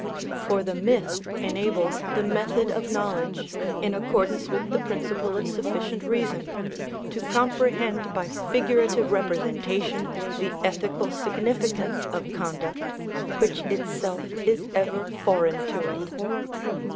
For the myth enables the method of knowledge, in accordance with the principle of sufficient reason, to comprehend by figurative representation the ethical significance of conduct, which itself is ever foreign to it.